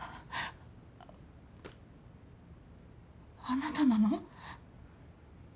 あなたなの？